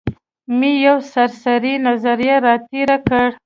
مې یو سرسري نظر را تېر کړ.